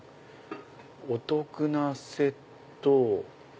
「お得なセット」。